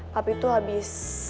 papi tuh abis